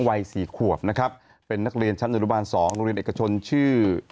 วัยสี่ขวบนะครับเป็นนักเรียนชั้นอนุบาล๒โรงเรียนเอกชนชื่อ